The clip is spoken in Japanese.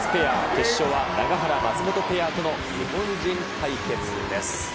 決勝は永原・松本ペアとの日本人対決です。